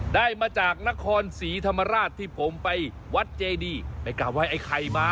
ได้มาจากนครศรีธรรมราชที่ผมไปวัดเจดีไปกราบไห้ไอ้ไข่มา